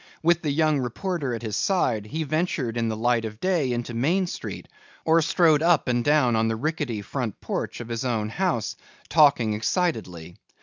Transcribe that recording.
With the young reporter at his side, he ventured in the light of day into Main Street or strode up and down on the rickety front porch of his own house, talking excitedly.